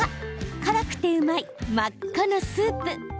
辛くてうまい真っ赤なスープ。